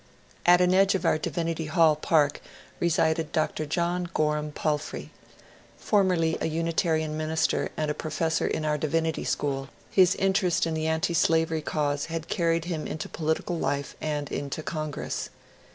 At an edge of our Divinity Hall park resided Dr. John Gorham Palfrey. Formerly a Unitarian minister and a pro fessor in our Dirinity School, his interest in the antislavery cause had carried him into political life and into Congress.